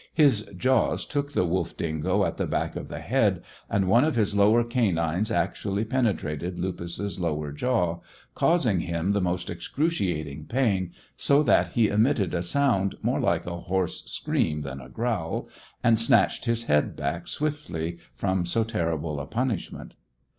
His jaws took the wolf dingo at the back of the head, and one of his lower canines actually penetrated Lupus's lower jaw, causing him the most excruciating pain, so that he emitted a sound more like a hoarse scream than a growl, and snatched his head back swiftly from so terrible a punishment.